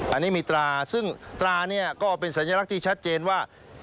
อันนี้มีตราซึ่งตรานี้ก็เป็นสัญลักษณ์ที่ชัดเจนว่า